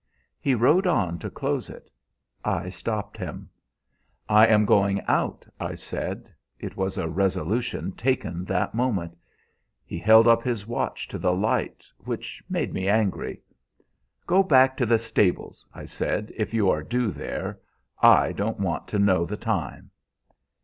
He rode on to close it. I stopped him. 'I am going out,' I said. It was a resolution taken that moment. He held up his watch to the light, which made me angry. "'Go back to the stables,' I said, 'if you are due there. I don't want to know the time.'